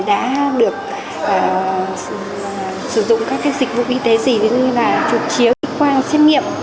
đã được sử dụng các cái dịch vụ y tế gì như là chụp chiếu xét nghiệm